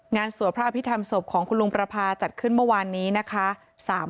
งานสวผ้าพิธามศพของคุณลูกประพาจัดขึ้นเมื่อวานนี้นะคะ